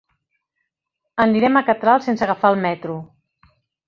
Anirem a Catral sense agafar el metro.